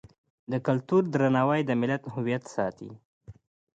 د کلتور درناوی د ملت هویت ساتي.